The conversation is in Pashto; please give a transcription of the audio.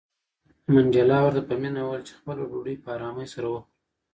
منډېلا ورته په مینه وویل چې خپله ډوډۍ په آرامۍ سره وخوره.